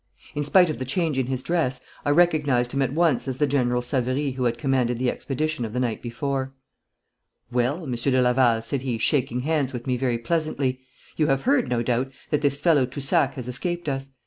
In spite of the change in his dress, I recognised him at once as the General Savary who had commanded the expedition of the night before. 'Well, Monsieur de Laval,' said he, shaking hands with me very pleasantly, 'you have heard, no doubt, that this fellow Toussac has escaped us.